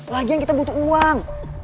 lagian kita butuh uang